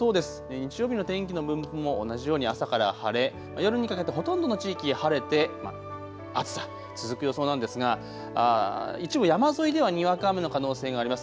日曜日の天気の分布も同じように朝から晴れ、夜にかけてほとんどの地域晴れて暑さ続く予想なんですが一部山沿いではにわか雨の可能性があります。